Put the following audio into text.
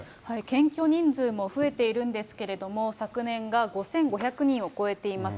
検挙人数も増えているんですけれども、昨年が５５００人を超えています。